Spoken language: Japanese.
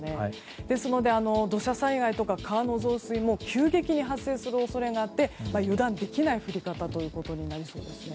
ですので土砂災害とか川の増水も急激に発生する恐れがあって油断できない降り方となりそうですね。